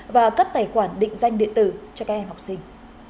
và cấp tài khoản định danh điện tử cho các em học sinh